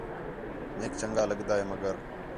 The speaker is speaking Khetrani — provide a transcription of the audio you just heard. میک چنڳا لڳدا ہے مگر